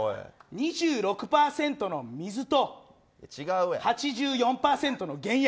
２６％の水と８４％の原液。